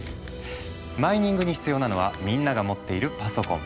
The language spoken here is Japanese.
マイニングに必要なのはみんなが持っているパソコン。